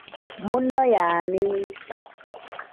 Munno y'ani?